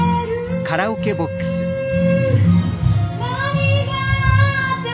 「何があっても」